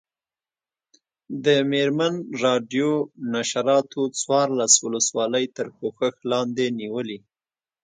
د مېرمن راډیو نشراتو څوارلس ولسوالۍ تر پوښښ لاندې نیولي.